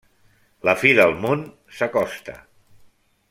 La fi del món s'acosta.